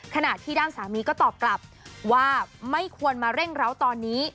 ขณะที่ด้านสามีก็ตอบกลับว่าไม่ควรมาเร่งร้าวตอนนี้